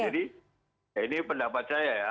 jadi ini pendapat saya ya